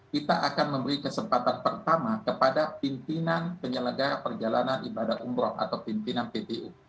kita akan memberi kesempatan pertama kepada pimpinan penyelenggara perjalanan ibadah umroh atau pimpinan ppu